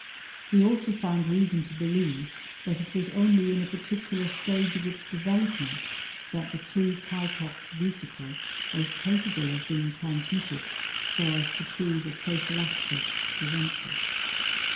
He also found reason to believe that it was only in a particular stage of its development that the true cow pox vesicle was capable of being transmitted so as to prove a prophylactic [preventive].